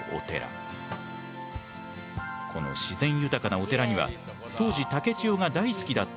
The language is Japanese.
この自然豊かなお寺には当時竹千代が大好きだった